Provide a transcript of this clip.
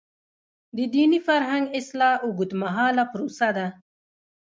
د دیني فرهنګ اصلاح اوږدمهاله پروسه ده.